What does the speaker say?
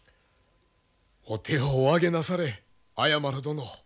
お手をお上げなされ綾麿殿。